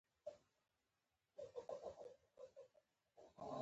زما تګ به ونه وینې